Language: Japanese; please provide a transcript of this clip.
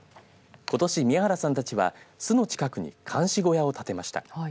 ことし宮原さんたちは巣の近くに監視小屋を建てました。